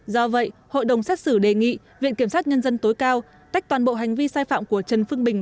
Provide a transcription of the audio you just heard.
do vậy hội đồng xét xử đề nghị viện kiểm sát nhân dân tối cao tách toàn bộ hành vi sai phạm của trần phương bình